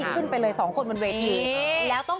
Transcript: ขึ้นไปเลย๒คนบนเวที